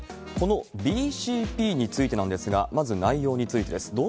このＢＣＰについてなんですが、まず内容についてです。